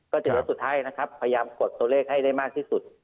เจอรถสุดท้ายนะครับพยายามกดตัวเลขให้ได้มากที่สุด